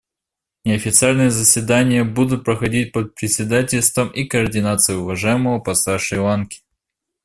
Неофициальные заседания будут проходить под председательством и координацией уважаемого посла Шри-Ланки.